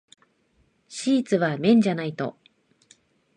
シーツは綿じゃないと。